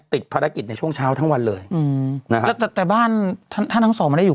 ติดภารกิจในช่วงเช้าทั้งวันเลยอืมนะฮะแล้วแต่แต่บ้านถ้าทั้งสองไม่ได้อยู่